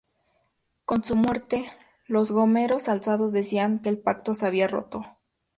Con su muerte, los gomeros alzados decían que el pacto se había roto.